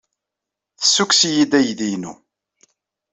Tessukkes-iyi-d aydi-inu.